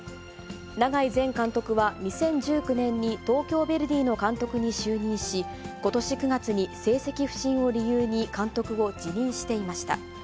永井前監督は２０１９年に東京ヴェルディの監督に就任し、ことし９月に成績不振を理由に監督を辞任していました。